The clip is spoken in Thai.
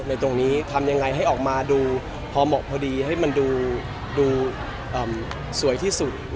ตรงนี้ทำยังไงให้ออกมาดูพอเหมาะพอดีให้มันดูสวยที่สุด